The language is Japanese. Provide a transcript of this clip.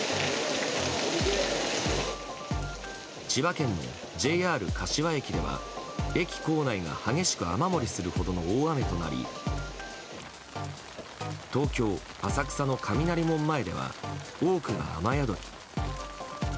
千葉県のＪＲ柏駅では駅構内が激しく雨漏りするほどの大雨となり東京・浅草の雷門前では多くが雨宿り。